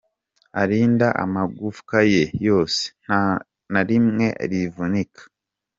Arinda amagufwa ye yose, Nta na rimwe rivunika.